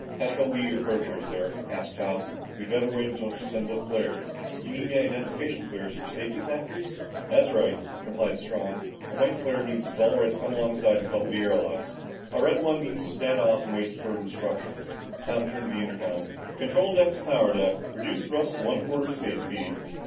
"How shall we approach her, sir?" asked Tom. "We'd better wait until she sends up her flares." "You mean the identification flares for safety factors?" "That's right," replied Strong. "A white flare means it's all right to come alongside and couple air locks. A red one means to stand off and wait for instructions." Strong turned to the intercom. "Control deck to power deck. Reduce thrust to one quarter space speed!"